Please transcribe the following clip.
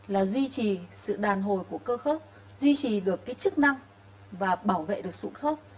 là duy trì sự đàn hồi của cơ khớp duy trì được chức năng và bảo vệ được sụn khớp